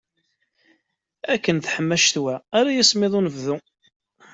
Akken teḥma ccetwa ara yismiḍ unebdu.